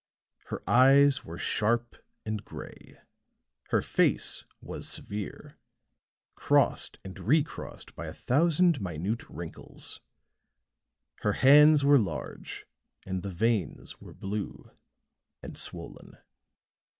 Her eyes were sharp and gray; her face was severe crossed and recrossed by a thousand minute wrinkles; her hands were large and the veins were blue and swollen.